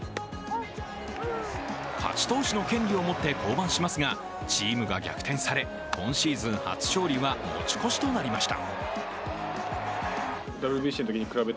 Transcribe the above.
勝ち投手の権利を持って降板しますが、チームが逆転され今シーズン初勝利は持ち越しとなりました。